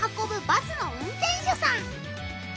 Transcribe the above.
バスの運転手さん。